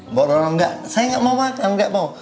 mbak rono enggak saya enggak mau makan enggak mau